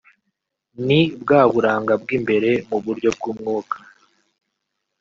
ni bwa buranga bw'imbere mu buryo bw'umwuka